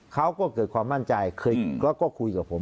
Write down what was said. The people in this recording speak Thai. เขาก็เกิดความมั่นใจแล้วก็คุยกับผม